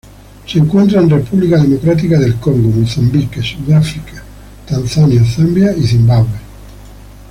Se encuentra en República Democrática del Congo, Mozambique, Sudáfrica, Tanzania, Zambia, y Zimbabue.